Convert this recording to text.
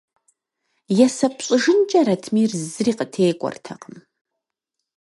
Есэп щӏыжынкӏэ Ратмир зыри къытекӏуэртэкъым.